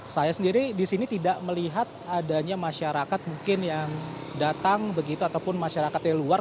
saya sendiri di sini tidak melihat adanya masyarakat mungkin yang datang begitu ataupun masyarakat dari luar